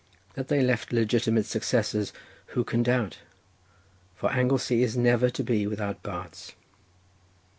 That they left legitimate successors who can doubt? for Anglesey is never to be without bards.